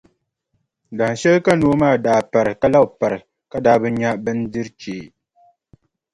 Dahinshɛli ka noo maa daa pari ka labi pari ka daa bi nya bindirʼ chee.